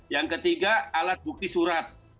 yang ketiga alat bukti surat